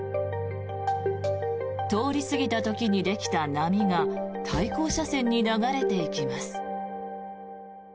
通り過ぎた時にできた波が対向車線に流れていきます。